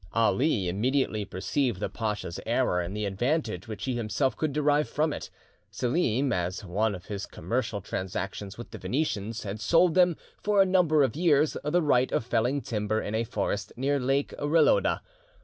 Ali immediately perceived the pacha's error, and the advantage which he himself could derive from it. Selim, as one of his commercial transactions with the Venetians, had sold them, for a number of years, the right of felling timber in a forest near Lake Reloda.